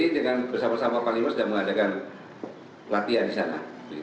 dengan bersama sama panglima sudah mengadakan latihan di sana